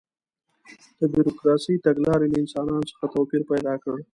د بروکراسي تګلارې له انسانانو څخه توپیر پیدا کړ.